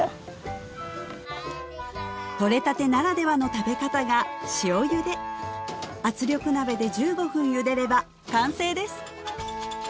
とれたてならではの食べ方が塩ゆで圧力鍋で１５分ゆでれば完成です